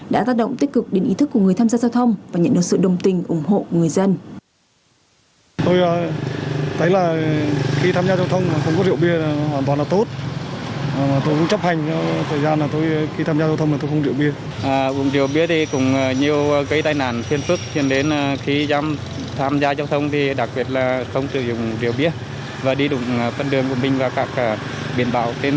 đã tác động tích cực đến ý thức của người tham gia giao thông và nhận được sự đồng tình ủng hộ người dân